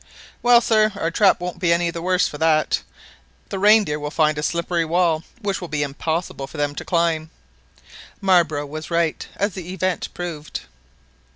"Well, sir, our trap won't be any the worse for that, the reindeer will find a slippery wall, which it will be impossible for them to climb." Marbre was right, as the event proved.